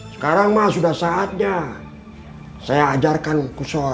sekarang mah sudah saatnya saya ajarkan kuota